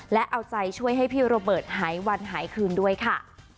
และเอาใจช่วยให้พี่โรเบิร์ตหายวันหายคืนด้วยค่ะ